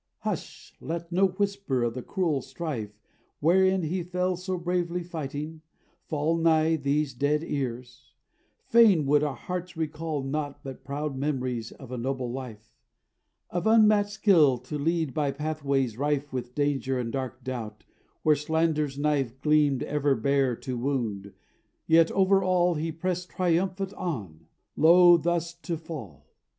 _) Hush let no whisper of the cruel strife, Wherein he fell so bravely fighting, fall Nigh these dead ears; fain would our hearts recall Nought but proud memories of a noble life Of unmatched skill to lead by pathways rife With danger and dark doubt, where slander's knife Gleamed ever bare to wound, yet over all He pressed triumphant on lo, thus to fall.